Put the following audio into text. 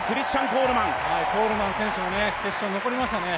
コールマン選手が決勝に残りましたね。